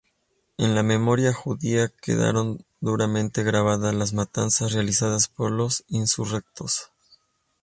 En la memoria judía quedaron duramente grabadas las matanzas realizadas por los insurrectos.